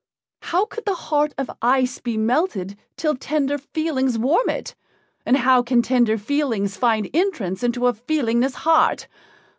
How could the heart of ice be melted till tender feelings warm it, and how can tender feelings find entrance into a feelingless heart?